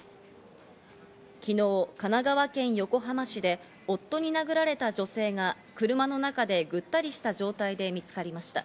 昨日、神奈川県横浜市で夫に殴られた女性が車の中で、ぐったりした状態で見つかりました。